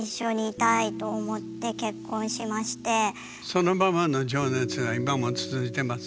そのままの情熱が今も続いてます？